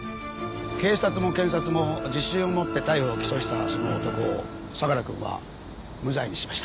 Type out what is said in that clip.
警察も検察も自信を持って逮捕起訴したその男を相良くんは無罪にしました。